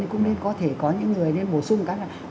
thì cũng nên có thể có những người nên bổ sung